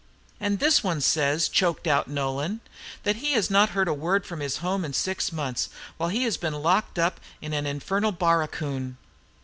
And this one says," choked out Nolan, "that he has not heard a word from his home in six months, while he has been locked up in an infernal barracoon."